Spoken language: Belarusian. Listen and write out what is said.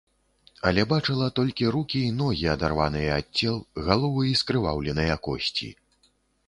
Але бачыла толькі рукі і ногі, адарваныя ад цел, галовы і скрываўленыя косці.